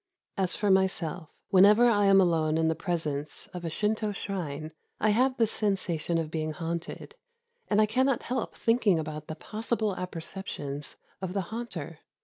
As for myself, whenever I am alone in the presence of a Shinto shrine, I have the sensation of being haunted ; and I cannot help thinking about the possible apperceptions of the haunter.